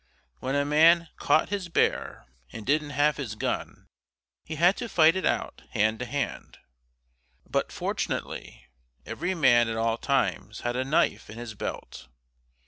When a man "caught" his bear and didn't have his gun he had to fight it out hand to hand. But fortunately, every man at all times had a knife in his belt.